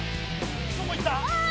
どこ行った？